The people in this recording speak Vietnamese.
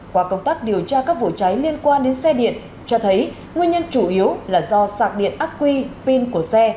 qua công tác điều tra các vụ cháy liên quan đến xe điện cho thấy nguyên nhân chủ yếu là do sạc điện ác quy pin của xe